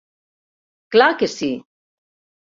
Clar que sí!